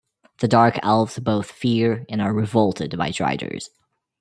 The dark elves both fear and are revolted by driders.